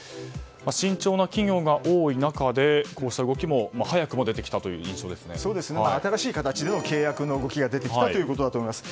慎重な企業が多い中でこうした動きも新しい形での契約の動きが出てきたということだと思います。